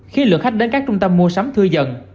khi lượng khách đến các trung tâm mua sắm thư dần